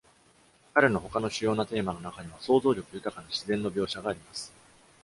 彼の他の主要なテーマの中には、想像力豊かな自然の描写があります。